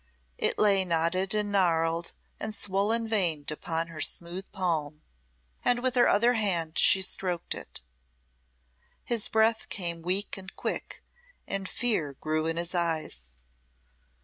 It lay knotted and gnarled and swollen veined upon her smooth palm, and with her other hand she stroked it. His breath came weak and quick, and fear grew in his eyes.